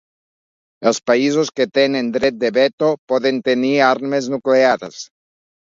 Els països que tenen dret de veto poden tenir armes nuclears.